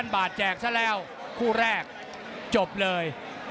๐บาทแจกซะแล้วคู่แรกจบเลย